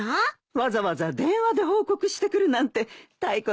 わざわざ電話で報告してくるなんてタイコさん